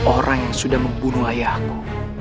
orang yang sudah membunuh ayahku